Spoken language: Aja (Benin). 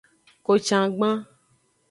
Kocangban.